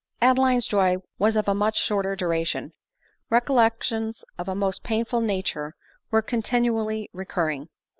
Adeline's joy was of a much shorter duration. Re collections of a most painful nature were continually re curring.